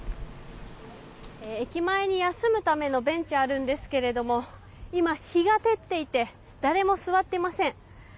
駅前に休むためのベンチがあるんですけども今、日が照っていて誰も座っていません。